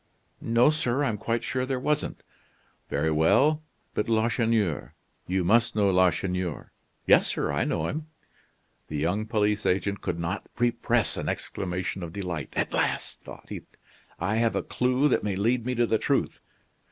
"No, sir, I'm quite sure there wasn't." "Very well. But Lacheneur you must know Lacheneur!" "Yes, sir; I know him." The young police agent could not repress an exclamation of delight. "At last," thought he, "I have a clue that may lead me to the truth.